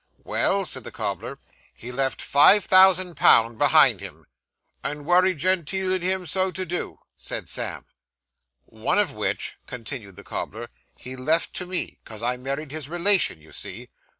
'Well,' said the cobbler, 'he left five thousand pound behind him.' 'And wery gen teel in him so to do,' said Sam. 'One of which,' continued the cobbler, 'he left to me, 'cause I married his relation, you see.